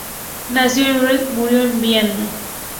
Nació en Leipzig y murió en Viena.